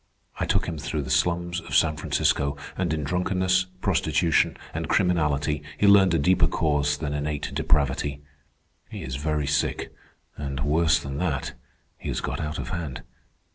I took him through the slums of San Francisco, and in drunkenness, prostitution, and criminality he learned a deeper cause than innate depravity. He is very sick, and, worse than that, he has got out of hand.